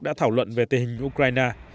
đã thảo luận về tình hình ukraine